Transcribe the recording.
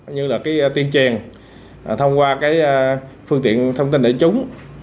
như tiên truyền thông qua phương tiện thông tin để chúng